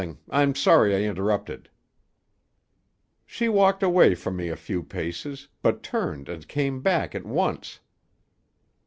I'm sorry I interrupted." "She walked away from me a few paces, but turned and came back at once.